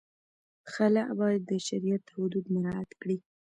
خلع باید د شریعت حدود مراعت کړي.